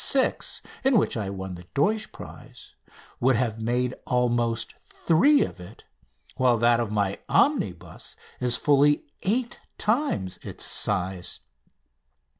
6," in which I won the Deutsch prize, would have made almost three of it, while that of my "Omnibus" is fully eight times its size.